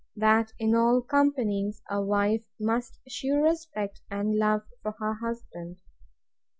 That in all companies a wife must shew respect and love to her husband.